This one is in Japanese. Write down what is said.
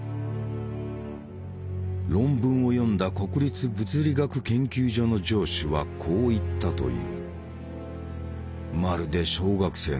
論文を読んだ国立物理学研究所の上司はこう言ったという。